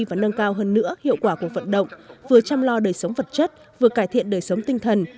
và nâng cao hơn nữa hiệu quả cuộc vận động vừa chăm lo đời sống vật chất vừa cải thiện đời sống tinh thần